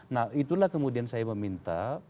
nah itulah kemudian saya meminta